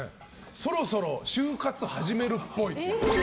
そろそろ終活始めるっぽい。